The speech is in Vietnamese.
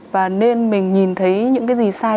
và nên mình nhìn thấy những cái gì sai